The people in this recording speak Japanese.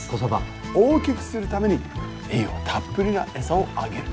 大きくするために栄養たっぷりなエサをあげるんですって。